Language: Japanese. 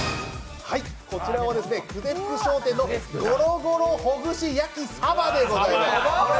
こちらは久世福商店のゴロゴロほぐし焼鯖でございます。